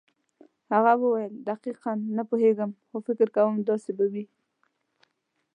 هغه وویل دقیقاً نه پوهېږم خو فکر کوم داسې به وي.